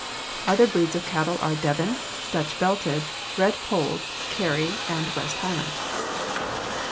Other breeds of cattle are Devon, Dutch Belted, Red Polled, Kerry, and West Highland.